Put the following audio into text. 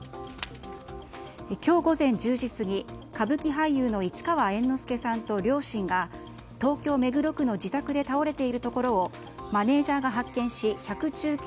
今日午前１０時過ぎ歌舞伎俳優の市川猿之助さんと両親が東京・目黒区の自宅で倒れているところをマネジャーが発見し１１９